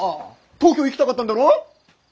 東京行きたかったんだろ？